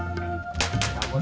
astagfirullahaladzim pak nangol